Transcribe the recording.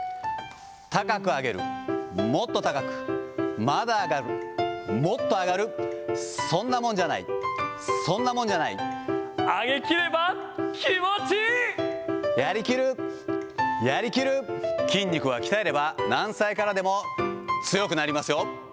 高く上げる、もっと高く、まだ上がる、もっと上がる、そんなもんじゃない、そんなもんじゃない、やりきる、やりきる、筋肉は鍛えれば何歳からでも強くなりますよ。